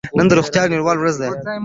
نن د روغتیا نړیواله ورځ ده.